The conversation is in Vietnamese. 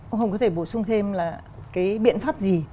ông hùng có thể bổ sung thêm là cái biện pháp gì